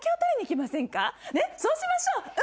そうしましょう！